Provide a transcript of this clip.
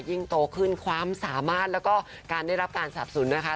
ยิ่งโตขึ้นความสามารถแล้วก็การได้รับการสับสนนะคะ